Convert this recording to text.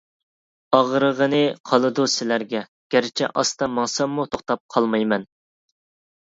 ئاغرىغىنى قالىدۇ سىلەرگە. گەرچە ئاستا ماڭساممۇ توختاپ قالمايمەن!